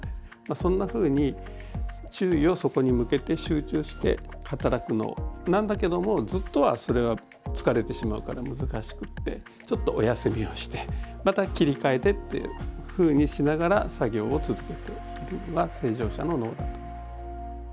そんなふうに注意をそこに向けて集中して働くんだけどもずっとはそれは疲れてしまうから難しくてちょっとお休みをしてまた切り替えてっていうふうにしながら作業を続けているのは正常者の脳だと。